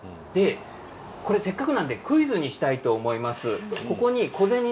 せっかくなのでクイズにしたいと思います。